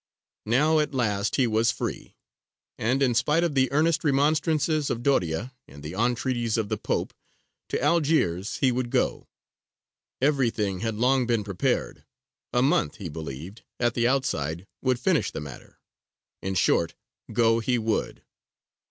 Now at last he was free; and, in spite of the earnest remonstrances of Doria and the entreaties of the Pope, to Algiers he would go. Everything had long been prepared a month, he believed, at the outside would finish the matter in short, go he would.